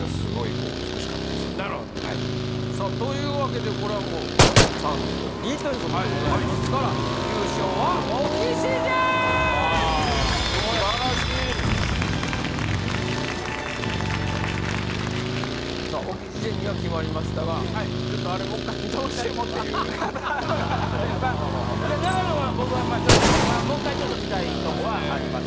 こう美しかったですよねさあというわけでこれはもう３と２ということでございますから優勝はオキシジェンすばらしいさあオキシジェンには決まりましたがちょっとあれもう一回どうしてもっていう方あれば永野は僕はもう一回見たいとこはあります